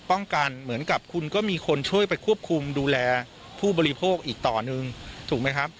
เหมือนกับคุณก็มีคนช่วยไปควบคุมดูแลผู้บริโภคอีกต่อหนึ่งถูกไหมครับ